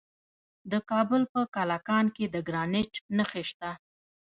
د کابل په کلکان کې د ګرانیټ نښې شته.